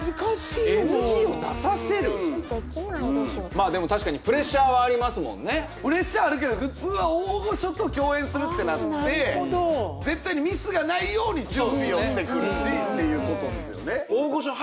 まあでも確かにプレッシャーあるけど普通は大御所と共演するってなって絶対にミスがないように準備をしてくるしっていうことですよね